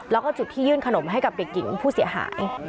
แล้วก็จุดที่ยื่นขนมให้กับเด็กหญิงผู้เสียหาย